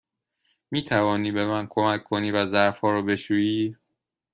می توانی به من کمک کنی و ظرف ها را بشویی؟